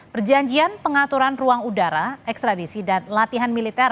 perjanjian pengaturan ruang udara ekstradisi dan latihan militer